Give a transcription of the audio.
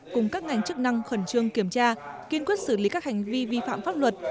cùng các ngành chức năng khẩn trương kiểm tra kiên quyết xử lý các hành vi vi phạm pháp luật